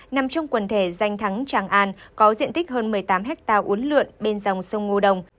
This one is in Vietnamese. nằm trong quần thể danh thắng tràng an có diện tích hơn một mươi tám hectare uốn lượn bên dòng sông ngô đồng